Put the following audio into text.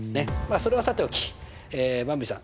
それはさておきばんびさん